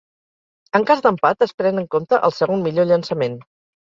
En cas d'empat es pren en compte el segon millor llançament.